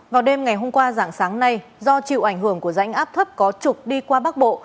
vào đêm ngày hôm qua dạng sáng nay do chịu ảnh hưởng của rãnh áp thấp có trục đi qua bắc bộ